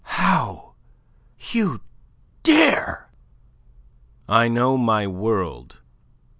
"How? You dare?" "I know my world.